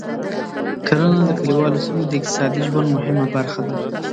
کرنه د کليوالو سیمو د اقتصادي ژوند مهمه برخه ده.